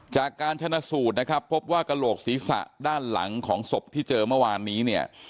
จากการชนะสูตรนะครับพบว่ากระโหลกศีรษะด้านหลังของศพที่เจอเมื่อวานนี้เนี่ย